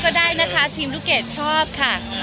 ก็ได้นะคะทีมลูกเกดชอบค่ะ